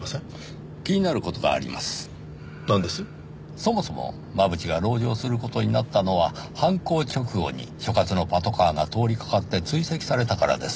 そもそも真渕が籠城する事になったのは犯行直後に所轄のパトカーが通りかかって追跡されたからです。